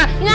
gak tau ah